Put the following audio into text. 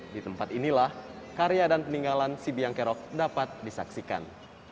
di tempat inilah karya dan peninggalan si biang kerok dapat disaksikan